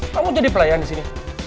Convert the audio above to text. kamu jadi pelayan disini